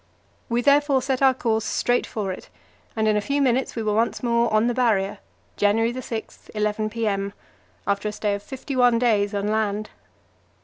We therefore set our course straight for it, and in a few minutes we were once more on the Barrier January 6, 11 p.m. after a stay of fifty one days on land.